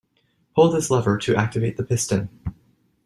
Pull this lever to activate the piston.